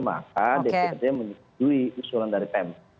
maka dprd menyetujui usulan dari pem